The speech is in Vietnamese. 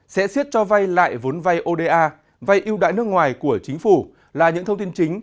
sẽ xiết cho vay lại vốn vay oda vay ưu đãi nước ngoài của chính phủ là những thông tin chính